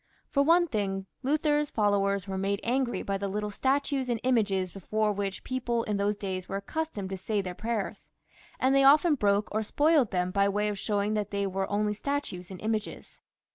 For one thing, Luther's followers were made angry by the little statues and images before which people in those days were accustomed to say their prayers ; and they often broke or spoilt them by way of showing that they were only statues and images.